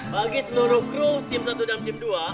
bagi seluruh kru tim satu dan tim dua